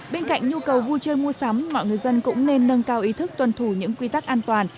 bên cạnh nhu cầu vui chơi mua sắm mọi người dân cũng nên nâng cao ý thức tuân thủ những quy tắc an toàn